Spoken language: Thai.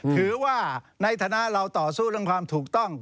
ถือว่าในฐานะเราต่อสู้เรื่องความถูกต้อง